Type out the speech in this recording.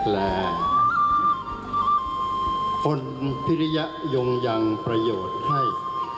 และคนพิริยยงยังประโยชน์ให้